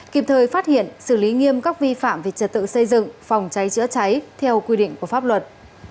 kịp thời phát hiện xử lý nghiêm các vi phạm về trật tự xây dựng phòng cháy chữa cháy theo quy định của pháp luật